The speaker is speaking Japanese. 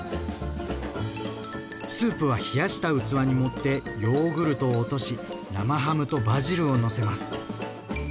スープは冷やした器に盛ってヨーグルトを落とし生ハムとバジルをのせます。